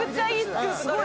すごい。